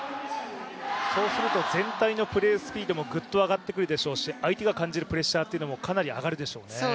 全体のプレースピードもぐっと上がってくるでしょうし相手が感じるプレッシャーもかなり上がるでしょうね。